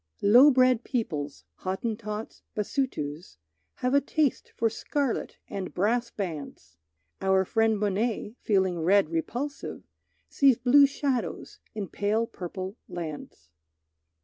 Low bred peoples, Hottentots, Basutos, Have a taste for scarlet and brass bands. Our friend Monet, feeling red repulsive, Sees blue shadows in pale purple lands.